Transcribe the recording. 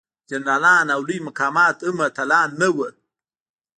جنرالان او لوی مقامات هم اتلان نه وو.